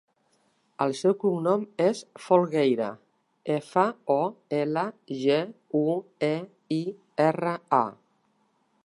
El seu cognom és Folgueira: efa, o, ela, ge, u, e, i, erra, a.